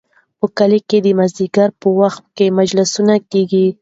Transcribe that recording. په کلي کې د مازدیګر په وخت کې مجلسونه کیږي.